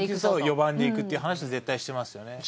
４番でいくっていう話は絶対してましたよね。